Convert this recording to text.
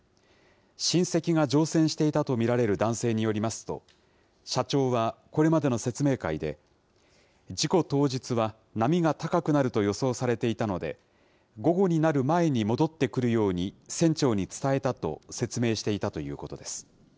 親戚が乗船していたと見られる男性によりますと、社長はこれまでの説明会で、事故当日は波が高くなると予想されていたので、午後になる前に戻ってくるように、船長に伝えたと説明していたということです。